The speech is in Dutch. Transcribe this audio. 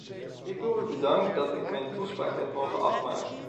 Ik wil u bedanken dat ik mijn toespraak heb mogen afmaken.